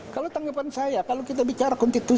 kalau tanggapan saya kalau kita bicara konstitusi